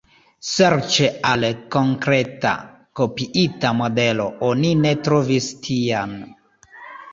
Serĉe al konkreta, kopiita modelo oni ne trovis tian.